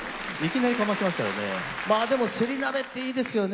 でもセリ鍋っていいですよね。